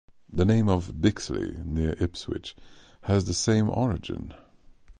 The name of Bixley near Ipswich has the same origin.